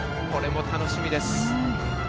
これも楽しみです。